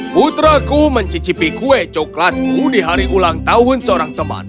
putraku mencicipi kue coklatku di hari ulang tahun seorang teman